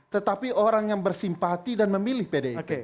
tetapi orang yang bersimpati dan memilih pdip